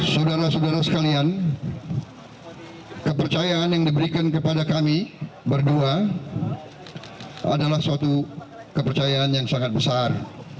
saudara saudara sekalian kepercayaan yang diberikan kepada kami berdua adalah suatu kepercayaan yang sangat besar